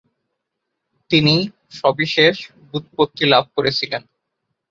তিনি সবিশেষ ব্যুৎপত্তি লাভ করেছিলেন।